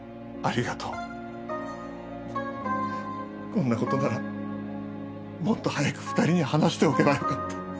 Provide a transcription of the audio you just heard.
こんな事ならもっと早く２人に話しておけばよかった。